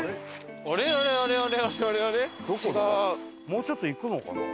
もうちょっと行くのかな？